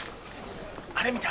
あれ見て！